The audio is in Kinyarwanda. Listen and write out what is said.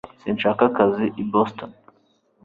sinshaka akazi i boston